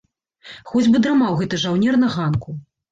Хоць бы драмаў гэты жаўнер на ганку.